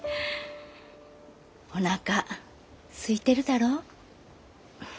おなかすいてるだろう？